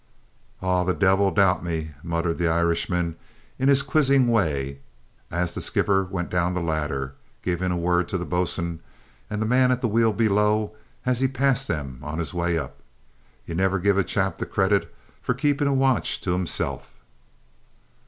"Och! the divvle dout ye!" muttered the Irishman in his quizzing way, as the skipper went down the ladder, giving a word to the boatswain and man at the wheel below as he passed them on his way up. "Ye niver give a chap the cridit of keeping a watch to himself!"